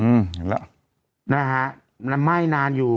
เห็นแหละนะฮะมันไม่นานอยู่